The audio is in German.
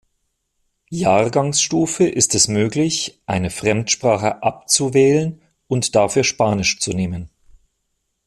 Jahrgangsstufe ist es möglich, eine Fremdsprache abzuwählen und dafür Spanisch zu nehmen.